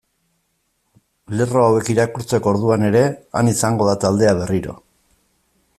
Lerro hauek irakurtzeko orduan ere han izango da taldea berriro.